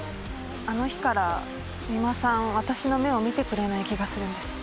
あの日から三馬さん、私の目を見てくれない気がするんです。